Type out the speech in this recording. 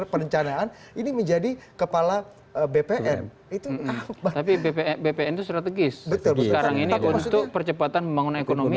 perlencanaan ini menjadi kepala bpn itu tapi bpn strategis untuk percepatan pembangunan ekonomi